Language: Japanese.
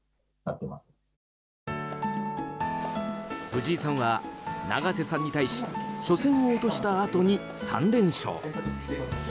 藤井さんは、永瀬さんに対し初戦を落としたあとに３連勝。